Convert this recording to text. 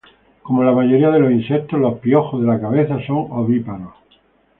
Como la mayoría de los insectos, los piojos de la cabeza son ovíparos.